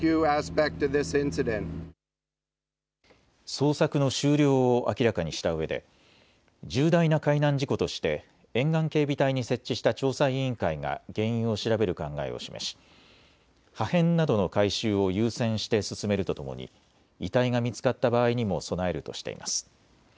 捜索の終了を明らかにしたうえで重大な海難事故として沿岸警備隊に設置した調査委員会が原因を調べる考えを示し破片などの回収を優先して進めるとともに遺体が見つかった場合にも備えるとしています。